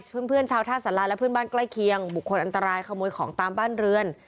เพื่อนชาวท่าสาราและเพื่อนบ้านใกล้เคียงบุคคลอันตรายขโมยของตามบ้านเรือน